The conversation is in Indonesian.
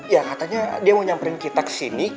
ya katanya dia mau nyamperin kita kesini